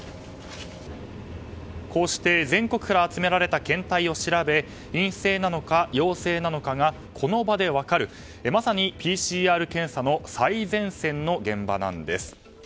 こうして全国から集められた検体を調べ陰性なのか陽性なのかがこの場で分かるまさにＰＣＲ検査の最前線の現場なんです。